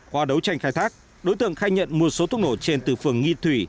qua đấu tranh khai thác đối tượng khai nhận mua số thuốc nổ trên từ phường nghi thủy